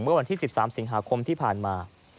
เมื่อวันที่๑๓สิงหาคมที่ผ่านมา